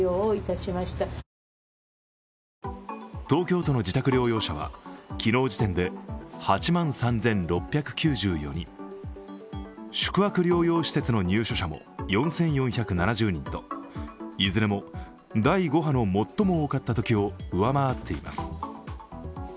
東京都の自宅療養者は昨日時点で８万３６９４人宿泊療養施設の入所者も４４７０人といずれも第５波の最も多かった時を上回っています。